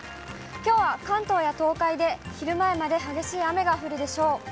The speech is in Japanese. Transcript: きょうは関東や東海で、昼前まで激しい雨が降るでしょう。